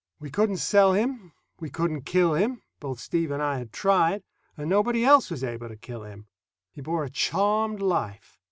We couldn't sell him, we couldn't kill him (both Steve and I had tried), and nobody else was able to kill him. He bore a charmed life.